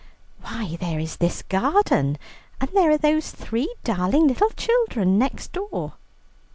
Why, there is this garden, and there are those three darling little children next door."